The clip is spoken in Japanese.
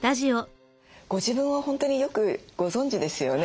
ご自分を本当によくご存じですよね。